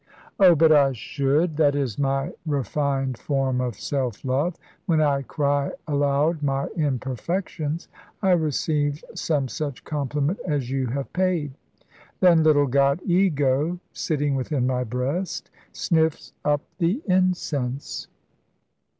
"Oh, but I should; that is my refined form of self love. When I cry aloud my imperfections, I receive some such compliment as you have paid. Then little god Ego, sitting within my breast, sniffs up the incense."